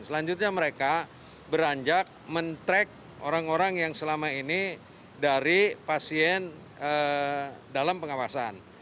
selanjutnya mereka beranjak men track orang orang yang selama ini dari pasien dalam pengawasan